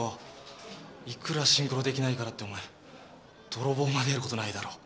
いくらシンクロできないからってお前泥棒までやることないだろう。